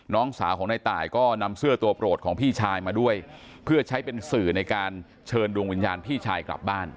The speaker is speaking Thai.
น้องสาวของนายตายก็นำเสื้อตัวโปรดของพี่ชายมาด้วยเพื่อใช้เป็นสื่อในการเชิญดวงวิญญาณพี่ชายกลับบ้าน